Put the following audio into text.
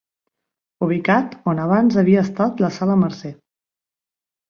Ubicat on abans havia estat la Sala Mercè.